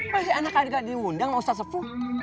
masih anak anak diundang sama ustadz sefug